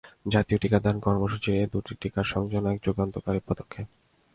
জাতীয় টিকাদান কর্মসূচিতে এ দুটি টিকার সংযোজন এক যুগান্তকারী পদক্ষেপ।